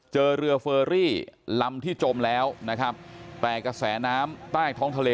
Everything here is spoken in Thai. เจอเรือเฟอรี่ลำที่จมแล้วนะครับแต่กระแสน้ำใต้ท้องทะเล